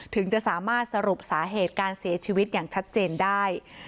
ถึงจะสามารถสรุปสาเหตุการเสียชีวิตอย่างชัดเจนได้